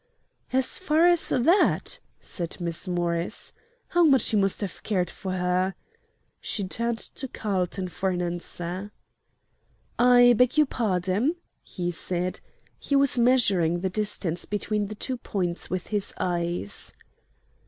"As far as that?" said Miss Morris. "How much he must have cared for her!" She turned to Carlton for an answer. "I beg your pardon," he said. He was measuring the distance between the two points with his eyes.